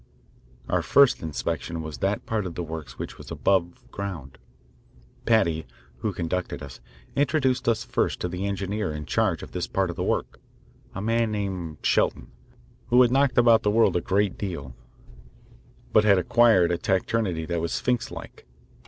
Our first inspection was of that part of the works which was above ground. Paddy, who conducted us, introduced us first to the engineer in charge of this part of the work, a man named Shelton, who had knocked about the world a great deal, but had acquired a taciturnity that was Sphinxlike.